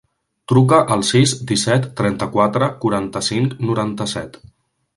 Truca al sis, disset, trenta-quatre, quaranta-cinc, noranta-set.